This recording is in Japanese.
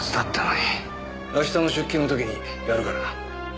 明日の出勤の時にやるからな。